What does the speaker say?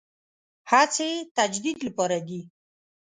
هڅې تجدید لپاره دي.